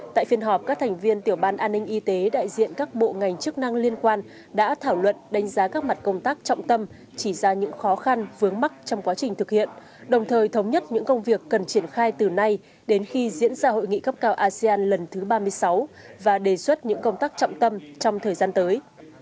tại phiên họp các thành viên tiểu ban an ninh y tế đại diện các bộ ngành chức năng liên quan đã thảo luận đánh giá các mặt công tác trọng tâm chỉ ra những khó khăn vướng mắt trong quá trình thực hiện đồng thời thống nhất những công việc cần triển khai từ nay đến khi diễn ra hội nghị cấp cao asean lần thứ ba mươi sáu và đề xuất những công tác trọng tâm trong thời gian tới